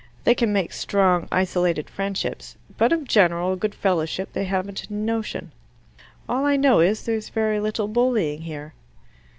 They can make strong isolated friendships, but of general good fellowship they haven't a notion." "All I know is there's very little bullying here."